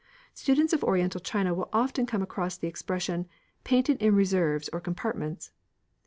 Students of Oriental china will often come across the expression "painted in reserves or compartments."